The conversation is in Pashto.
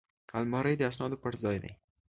الماري د اسنادو پټ ځای دی